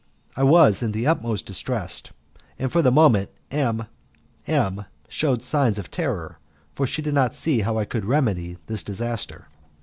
I was in the utmost distress, and for the moment M M shewed signs of terror, for she did not see how I could remedy this disaster.